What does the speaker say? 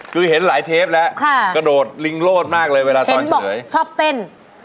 คือเห็นหลายเทปแล้วกระโดดลิงโลดมากเลยเวลาตอนเฉยชอบเต้น